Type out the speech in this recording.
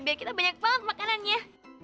biar kita banyak banget makanan ya